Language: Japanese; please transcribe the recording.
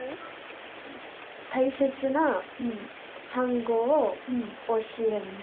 大切な単語を教えます。